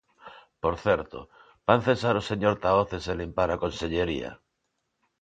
Por certo, ¿van cesar o señor Tahoces e limpar a Consellería?